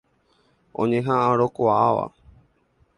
Oñeha'ãrõkuaáva.